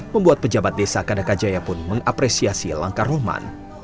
membuat pejabat desa kadakajaya pun mengapresiasi langkah rohman